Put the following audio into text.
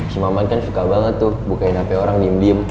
si mamat kan suka banget tuh bukain hape orang diem diem